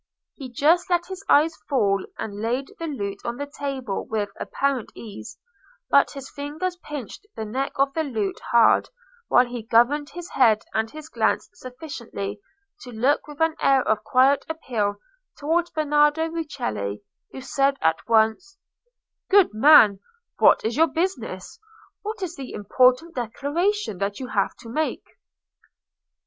He just let his eyes fall and laid the lute on the table with apparent ease; but his fingers pinched the neck of the lute hard while he governed his head and his glance sufficiently to look with an air of quiet appeal towards Bernardo Rucellai, who said at once— "Good man, what is your business? What is the important declaration that you have to make?"